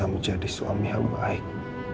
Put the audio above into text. amba pun bisa menjadi suami yang baik